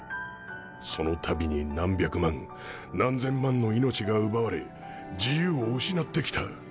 そのたびに何百万何千万の命が奪われ自由を失ってきた。